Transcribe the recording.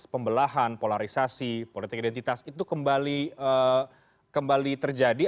pembelahan polarisasi politik identitas itu kembali terjadi